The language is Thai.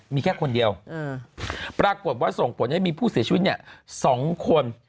มีแค่คนเดียวปรากฏว่าส่งผลให้มีผู้เสียชีวิตเนี่ย๒คน